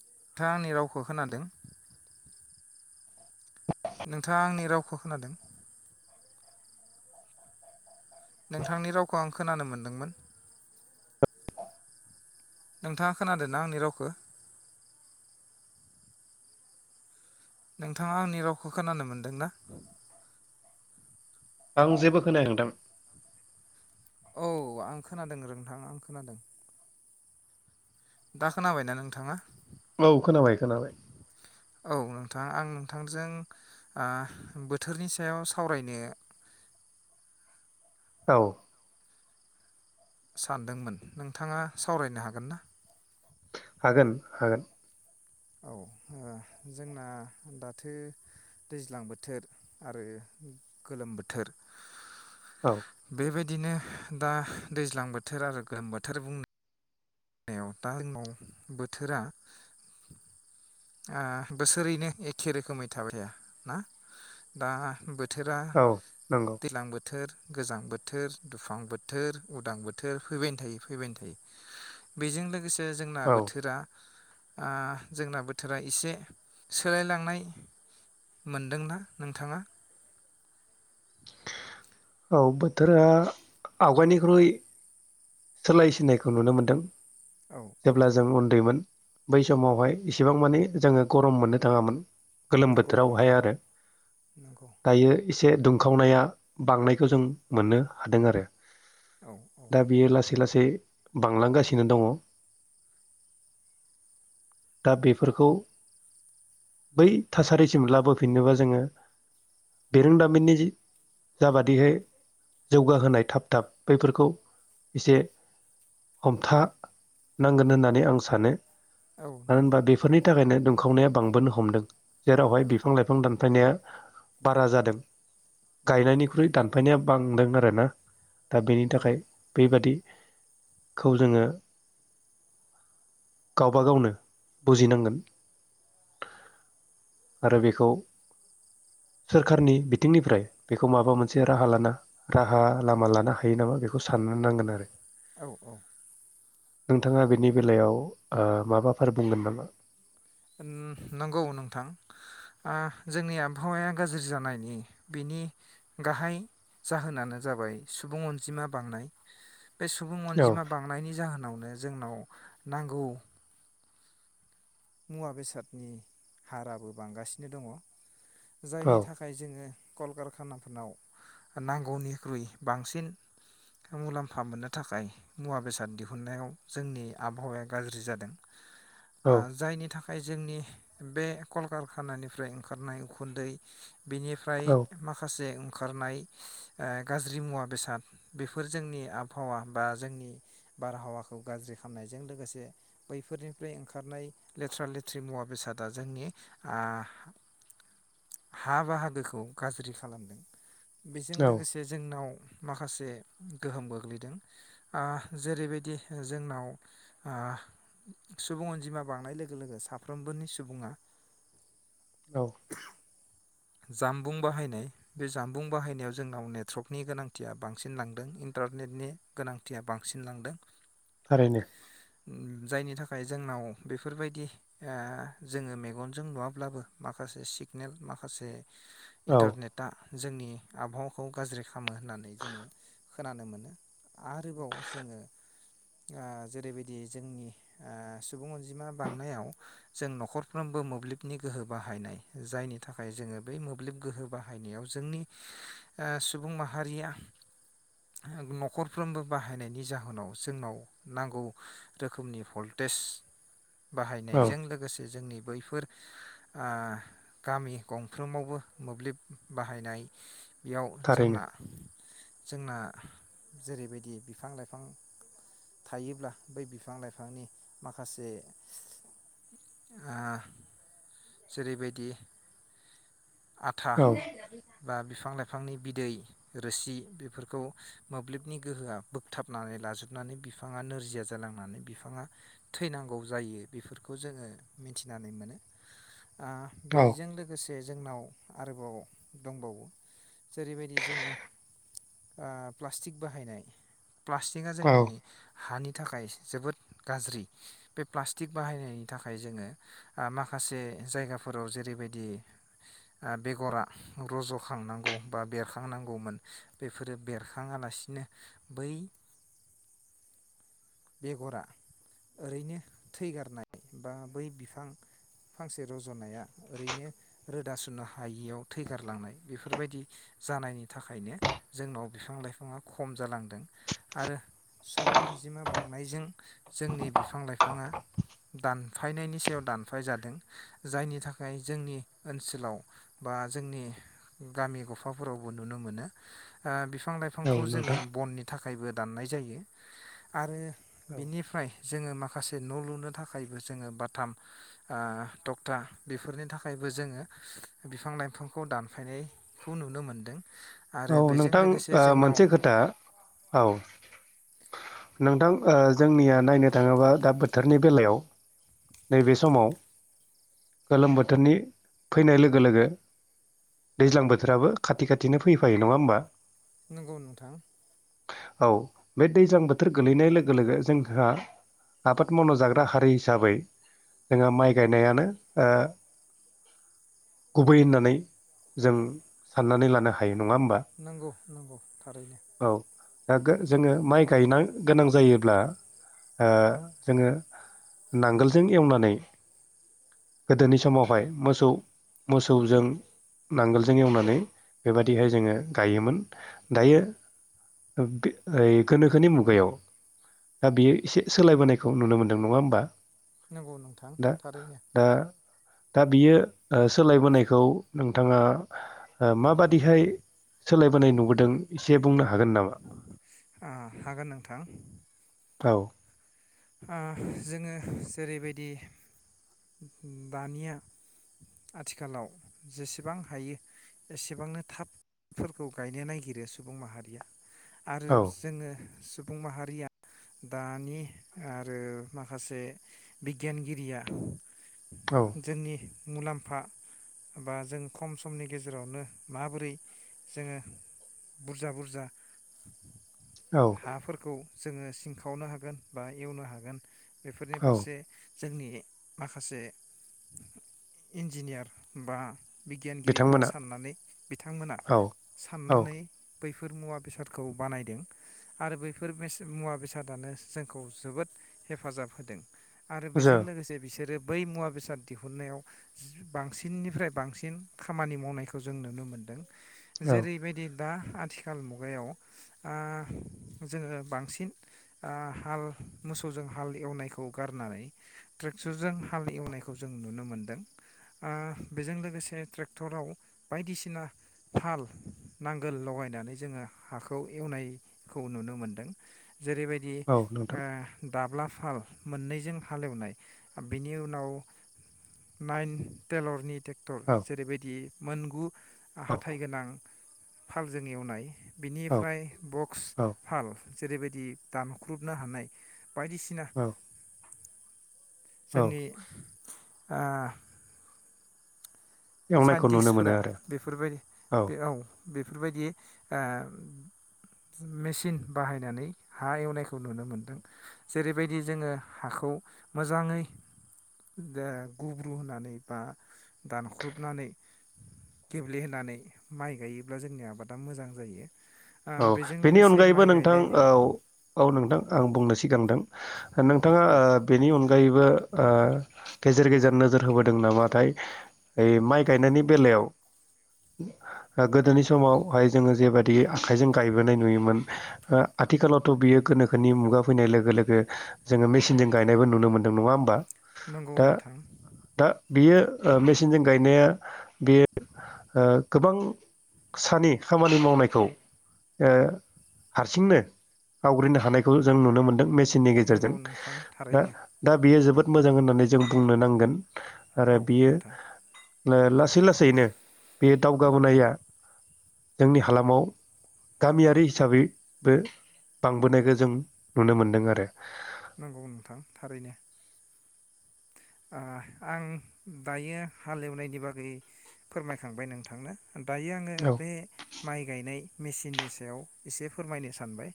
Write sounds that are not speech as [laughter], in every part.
नोंथाङा आंनि रावखौ खोनादों [unintelligible] नोंथांङा आंनि रावखौ खोनादों नोंथांनि रावखौ आं खोनानो मोनदोंमोन नोंथांङा खोनादोंना आंनि रावखौ नोंथांङा आंनि रावखौ खोनानो मोनदोंना [unintelligible] आं जेबो खोनाया नोंथां औ आं खोनादों रोंथां आं खोनादों दा खोनाबायना नोंथाङा औ खोनाबाय खोनाबाय औ नोंथां आं नोंथांजों आ बोथोरनि सायाव सावरायनो औ सानदोंमोन नोंथाङा सावरायनो हागोन ना हागोन हागोन औ ओ जोंना दाथो दैज्लां बोथोर आरो गोलोम बोथोर औ बेबायदि। बिदिनो दा दैज्लां बोथोर आरो गोलोम बोथोर बुंनो। दैयाव दा जोनबाव बोथोरा बोसोरैनो एखे रोखोमै थाबाय थाया ना दाबोथोर। बोथोरा औ नंगौ दैज्लां बोथोर। बोथोर गोजां बोथोर दुफां बोथोर उदां बोथोर फैबाय थायो फैबाय थायो। बेजों लोगोसे। लोगोसे जोंना औ बोथोरा। आ जोंना बोथोरा एसे सोलायलांनाय मोनदोंना नोंथाङा। औ बोथोरा आवगायनिख्रुइ सोलाय सिनायखौ नुनो मोनदों। औ औ जेब्ला जों उन्दैमोन। बै समावहाय इसिबां मानि जोंङो गरम मोननो थाङामोन। गोलोम नंगौ बोथोरावहाय नंगौ आरो नंगौ दायो एसे द खावनाया बांनायखौ जों मोननो हादों आरो। औ औ दा बियो लासै लासै बांलांगासिनो दङ। दा बेफोरखौ बै थासारिसिम लाबोफिननोबा जोङो बिरोंदामिननि जि जाबादिहै जौगाहोनाय थाब थाब बैफोरखौ एसे हमथानांगोन होननानै आं सानो। औ मानो नंगौ होनबा बेफोरनि थाखायनो दं। खावनाया बांबोनो हमदों। जेरावहाय औ बिफां लाइफां दान फायनाया बारा जादों। गायनायनिख्रुइ दानफायनाया बांदों आरोना। दा बेनि औ थाखाय बेबादि खौ जोङो गावबा गावनो बुजिनांगोन आरो बेखौ सोरखारनि बिथिंनिफ्राय। बेखौ माबा मोनसे राहा लाना राहा लामा लानो हायो नामा बेखौ साननो नांगोन आरो। औ औ नोंथाङा बेनि ओ बेलायाव माबाफोर बुंगोन नामा? ओ नंगौ नोंथां ओ जोंनि आबहावाया गाज्रि जानायनि बिनि गाहाय जाहोनानो जाबाय सुबुं अनजिमा बांनाय। बे सुबुं औ अनजिमा बांनायनि जाहोनाव जोंनाव नांगौ मुवा बेसादनि हाराबो बांगासिनो दङ। औ जायनि थाखाय जोङो कलकारखानाफोरनाव नांगौनिख्रुइ बांसिन मुलाम्फा मोननो थाखाय मुवा बेसाद दिहुननायाव जोंनि आबहावाया गाज्रि जादों। औ आ थाखाय जोंनि बे कलकारखानानिफ्राय ओंखारनाय उखुन्दै बेनिफ्राय माखासे ओंखारनाय ओ गाज्रि मुवा बेसाद बेफोर जोंनि आबहावा बा जोंनि बारहावाखौ गाज्रि खालामनायजों लोगोसे बैफोरनिफ्राय ओंखारनाय लेथ्रा लेथ्रि मुवा बेसादा जोंनि आ हा बाहागोखौ गाज्रि खालामदों। बेजों औ लोगोसे जोंनाव माखासे गोहोम गोग्लैदों ओ जेरैबायदि जोंनाव ओ सुबुं अनजिमा बांनाय लोगो लोगो साफ्रोमबोनि सुबुङा औ जामबुं बाहायनाय बे जामबुं बाहायनायाव जोंनाव नेटवर्कनि गोनांथिया बांसिन लांदों इन्टारनेटनि गोनांथिया बांसिन लांदों। थारैनो। उम जायनि थाखाय जोंनाव बेफोरबायदि ओ जोङो मेगनजों नुवाब्लाबो माखासे सिगनेल मा खासे औ इन्टारनेटा जोंनि आबहावाखौ गाज्रि खालामो होननानै जोङो खोनानो मोनो। आरोबाव जोङो ओ जेरैबायदि जोंनि ओ सुबुं अनजिमा बांनायाव जों नख'रफ्रोमबो मोब्लिबनि गोहो बाहायनाय जायनि थाखाय जोंङो बै मोब्लिब गोहो बाहायनायाव जोंनि ओ सुबुं माहारिया नख'रफ्रोमबो बाहायनायनि जाहोनाव जोंनाव नांगौ रोखोमनि भल्टेज। औ बाहायनायजों लोगोसे जोंनि बैफोर ओ गामि गंफ्रोमावबो मोब्लिब बाहायनाय बेयाव थारैनो जोंना जोंना जेरैबायदि बिफां लाइफां थायोब्ला बै बिफां लाइफांनि माखासे ओ जेरैबायदि आथा औ बा बिफां लाइ बिफांनि बिदै रोसि बेफोरखौ मोब्लिबनि गोहोआ बोगथाबनानै लाजोबनानै बिफांङा नोरजिया जालांनानै बिफांङा थैनांगौ जायो बेफोरखौ जोंङो मिथिनानै मोनो। ओ औ बैज लोगोसे जोंनाव आरोबाव दंबावो जेरैबायदि जोंङो ओ प्लास्टिक बाहायनाय। प्लास्टिकआ औ जोंनि हानि थाखाय जोबोद गाज्रि बे प्लास्टिक बाहायनायनि थाखाय जोंङो ओ माखासे जायगाफोराव जेरैबाय दि ओ बेगरा रज'खांनांगौ बा बेरखांनांगौमोन बेफोरो बेरखांङालासिनो बै बेगरा ओरैनो थैगारनाय बा बै बिफां फांसे रज'नाया ओरैनो रोदा सुनो हायियाव थैगारलांनाय बेफोरबायदि जानायनि थाखायनो जोंनाव बिफां लाइफांङा खम जालांदों आरो सुबुं अनजिमा बांनायजों जोंनि बिफां लाइफांङा दानफायनायनि सायाव दानफाय जादों जायनि था खाय जोंनि ओनसोलाव बा जोंनि गामि गफाफोराव नुनो मोनो ओ बिफां औ लाइफांखौ जोंङो नोंथां बननि थाख थाखायबो दाननाय जायो आरो औ बेनिफ्राय जोंङो माखासे न' लुनो थाखायबो जोंङो बाथाम ओ तक्था बेफोरनि थाखायबो जोंङो बिफां लाइफांखौ दानफायनायखौ नुनो मोनदों। आरो औ बेजों नोंथां लोगोसे ओ जोंनाव मोनसे खोथा औ। नोंथां ओ जोंनिया नायनो थांङोबा दा बोथोरनि बेलायाव नैबे समाव गोलोम बोथोरनि फैनाय लोगो लोगो दैज्लां बोथोराबो खाथि खाथिनो फैफायो नंङा होमबा। नंगौ नोंथां। औ बे दैज्लां बोथोर गोलैनाय लोगो लोगो जोंहा आबाद मावना जाग्रा हारि हिसाबै जोंहा माइ गायनायानो ओ गुबै होननानै जों साननानै लानो हायो नङा होमबा नंगौ नंगौ थारैनो। औ दा गो जोङो माइ गायनो गोनां जायोब्ला जोङो ओ नांगोलजों एवनानै गोदोनि समावहाय मोसौ मोसौजों नांगोलजों एवनानै बेबादिहाय जोङो गायोमोन दायो ओ गोनोखोनि मुगायाव दा बियो एसे सोलायबोनायखौ नुनो मोनदों नङा होमबा। नंगौ नोंथां दा थारैनो। दा दा बियो ओ सोलायबोनायखौ नोंथाङा। दिहाय सोलायबोनाय नुबोदों एसे बुंनो हागोन नामा? ओ हागोन नोंथां औ ओ जोङो जेरैबायदि दानिया आथिखालाव जेसेबां हायो एसेबांनो थाबफोरखौ गायनो नागिरो सुबुं माहारिया। आरो औ जोङो सुबुं माहारिया दानि आरो माखासे बिगियानगिरिया औ जोंनि मुलाम्फा बा जों खम समनि गेजेरावनो माबोरै जोङो बुरजा बुरजा औ हाफोरखौ जोङो सिं खावनो हागोन बा एवनो हागोन बेफोरनि औ फारसे जोंनि माखासे इन्जिनियार बा बिगियानगिरिफोरा बिथांमोना साननानै बिथांमोना औ औ साननानै बैफोर मुवा बेसादखौ बानायदों आरो बैफोर मेस मुवा बेसादानो जोंखौ जोबोद हेफाजाब होदों आरो बेजों जों लोगोसे बिसोरो बै मुवा बेसाद दिहुनन्नायाव बांसिननिफ्राय बांसिन खामानि मावनायखौ जों नुनो मोनदों। औ जेरैबायदि दा आथिखाल मुगायाव ओ जोङो बांसिन ओ हाल मोसौजों हाल एवनायखौ गारनानै ट्रेक्टरजों हाल एवनायखौ जों नुनो मोनदों ओ बेजों लोगोसे ट्रेक्टराव बायदिसिना थाल नांगोल लगायनानै जोङो हाखौ एवनायखौ नुनो मोनदों जेरैबायद दि औ नोंथां ओ दाब्ला फाल मोननैजों हालेवनाय बेनि उनाव नाइन टेलरनि टेक्टर औ जेरैबायदि मोनगु औ हाथाय गोनां फालजों एवनाय औ बिनिफ्राय बक्स औ फाल जेरैबायदि दानख्रुबनो हानाय बायदिसिना औ औ जोंनि आ एवनायखौ नुनो मोनो साइन्टिस्टफोरा आरो बेफोरबायदि बे औ बेफोरबायदि ओ मेचिन बाहायनानै हा एवनायखौ नुनो मोनदों जेरैबायदि जोङो हाखौ मोजाङै ओ गुब्रु होनानै बा दानख्रुब नानै गेब्लेहोनानै माइ गायोब्ला जोंनि आबादा मोजां जायो ओ औ बेजों बेनि लोगोसे अनगायैबो माइ नोंथां गायनाय औ -औ नोंथां आं बुंनो सिगान्दां नोंथाङा औ ओ बेनि अनगायैबो ओ गेजेर गेजेर नोजोर होबोदों नामाथाय ओइ माइ गायनायनि बेलायाव ओ गोदोनि समावहाय जोङो जेबादि आखाइजों गायबोनाय नुयोमोन ओ आथिखालावथ' बियो गोनोखोनि मुगा फैनाय लोगो लोगो जोङो मेसिनजों गायनायबो नुनो मोन्दों नङा होमबा नंगौ दा नोंथां दा बियो मेसिनजों गायनाया बेयो ओ गोबां सानि खामानि मावनायखौ ओ हारसिंनो आवग्रिनो हानायखौ जों नुनो मोनदों मेस सिननि गेजेरजों नंगौ नोंथां दा थारैनो दा बेयो जोबोद मोजां होननानै जों बुंनो नांगोन औ आरो बियो नोंथां नो लासै लासैनो बे दावगाबोनाया जोंनि हालामाव गामियारि हिसाबैबो बांबोनायखौ जों नुनो मोनदों आरो नंगौ नोंथां थारैनो आ आं दायो हालेवनायनि बागै फोरमायखांबाय नोंथांनो दायो आङो औ बे माइ गायनाय मेचिननि सायाव एसे फोरमायनो सानबाय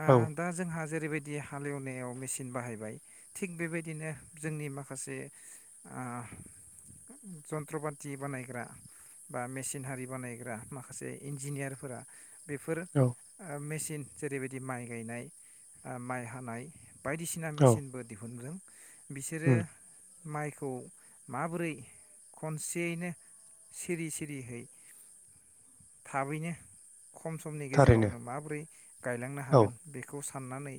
आ औ दा जोंहा जेरैबायदि हालेवनायाव मेचिन बाहायबाय थिग बेबायदिनो जोंनि माखा खासे ओ जन्त्रपाथि बानायग्रा बा मेसिनारि बानायग्रा माखासे इन्जिनियारफोरा बेफोर औ ओ मेस थिन जेरैबायदि माइ गायनाय माइ हानाय बायदिसिना औ मेसिनबो दिहुनदों बिसोरो उम माइखौ माबोरै खनसेयैनो सिरि सिरिहै थाबैनो खम समनि थारैनो गेजेरावनो माबोरै गायलांनो औ हागोन बेखौ सा साननानै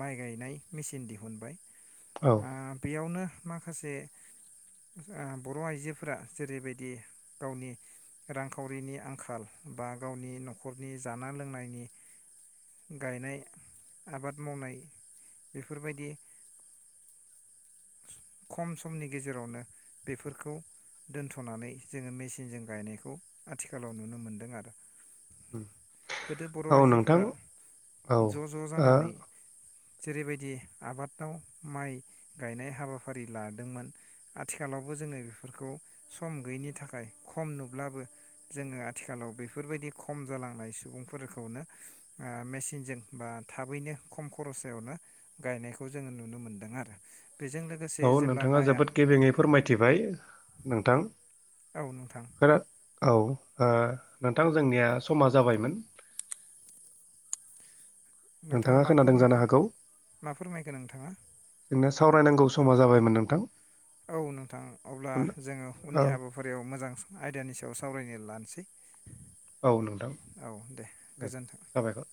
माइ गायनाय मेसिन दिहुनबाय औ आ बेयावनो माखासे बर' आइजोफोरा जेरैबायदि गावनि रांखावरिनि आंखाल बा गावनि न'खरनि जाना लोंनायनि गायनाय आबाद मावनाय बेफोरबायदि खम समनि गेजेरावनो बेफोरखौ दोनथ'नानै जोङो मेचिनजों गायनायखौ आथिखालाव नुनो मोनदों आरो गोदो बर' औ नोंथां आइजोफोरा औ ज' ज' ओ जानानै जेरैबायदि आबादाव माइ गायनाय हाबा फारि लादोंमोन आथिखालावबो जोङो बेफोरखौ सम गैयिनि थाखाय खम नुब्लाबो जोङो आथिखालाव बेफोरबायदि खम जालांनाय सुबुंफोरखौनो ओ मेसिनजों बा थाबैनो खम खरसायावनो गायनायखौ जोङो नुनो मोनदों आरो बेजों लोगोसे औ जेब्ला नोंथाङा माइआ जोबोद गेबेङैफोर मायथिबाय नोंथां औ नोंथां खोना औ ओ नोंथां जोंनिया समा जाबायमोन नोंथाङा मा खोनादों जानो फोरमायखो हागौ मा फोरमायखो नोंथाङा जोंना सावरायनांगौ समा जाबायमोन नोंथां औ नोंथां अब्ला जोङो औ उननि हाबाफारियाव मोजां आयदानि सायाव सावरायनो लानोसै औ नोंथां औ दे गोजोन्थों साबायखर